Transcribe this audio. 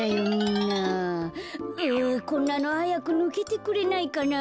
あこんなのはやくぬけてくれないかな。